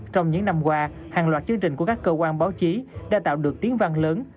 trong những năm qua hàng loạt chương trình của các cơ quan báo chí đã tạo được tiếng vang lớn